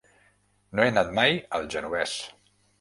No he anat mai al Genovés.